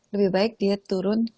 lebih baik diet turun